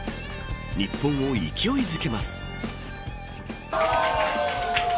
日本を勢いづけます。